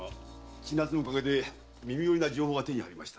千奈津のおかげで耳寄りな情報が手に入りました。